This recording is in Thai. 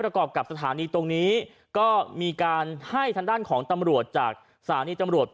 กรอบกับสถานีตรงนี้ก็มีการให้ทางด้านของตำรวจจากสถานีตำรวจ